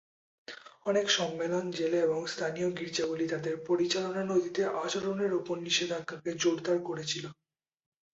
অনেক সম্মেলন, জেলা এবং স্থানীয় গির্জাগুলি তাদের পরিচালনা নথিতে আচরণের উপর নিষেধাজ্ঞাকে জোরদার করেছিল।